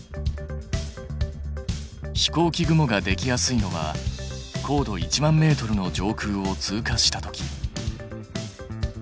飛行機雲ができやすいのは高度１万ｍの上空を通過した時。